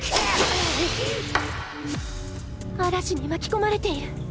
嵐に巻き込まれている